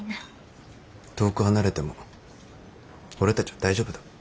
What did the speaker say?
遠く離れても俺たちは大丈夫だ。